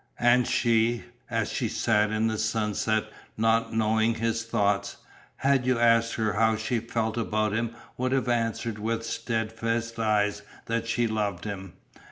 And she, as she sat in the sunset not knowing his thoughts, had you asked her how she felt about him would have answered with steadfast eyes that she loved him.